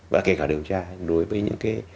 và kể cả điều tra đối với những